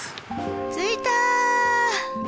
着いた！